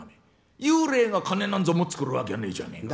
幽霊が金なんか持ってくるわけねえじゃねえか。